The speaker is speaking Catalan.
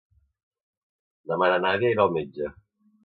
Demà na Nàdia irà al metge.